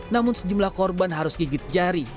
namun sejumlah korban harus gigit jari